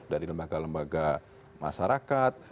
dari lembaga lembaga masyarakat